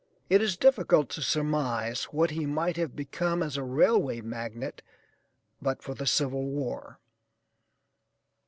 It is difficult to surmise what he might have become as a railway magnate but for the civil war.